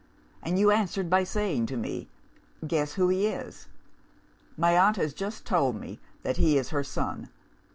And you answered by saying to me, Guess who he is. My aunt has just told me that he is her son.